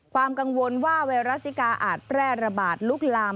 ความกังวลว่าไวรัสซิกาอาจแพร่ระบาดลุกลาม